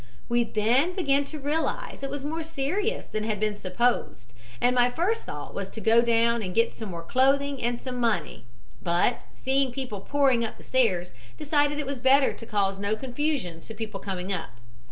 "We then began to realize it was more serious than had been supposed, and my first thought was to go down and get some more clothing and some money, but, seeing people pouring up the stairs, decided it was better to cause no confusion to people coming up.